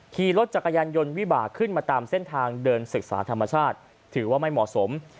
ขี่รถจักรยานยนต์วิบากขึ้นมาตามเส้นทางเดินศึกษาธรรมชาติถือว่าไม่เหมาะสม